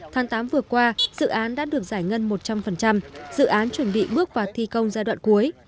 tháng tám vừa qua dự án đã được giải ngân một trăm linh dự án chuẩn bị bước vào thi công giai đoạn cuối